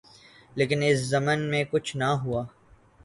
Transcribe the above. لیکن اس ضمن میں کچھ نہ ہوا